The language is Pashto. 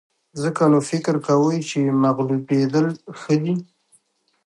ځکه نو فکر کوئ چې مغلوبېدل ښه دي.